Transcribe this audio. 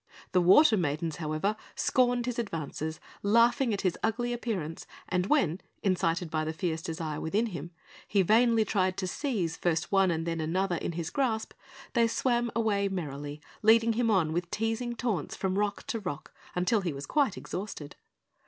The water maidens, however, scorned his advances, laughing at his ugly appearance; and when, incited by the fierce desire within him, he vainly tried to seize first one and then another in his grasp, they swam away merrily, leading him on with teasing taunts from rock to rock, until he was quite exhausted.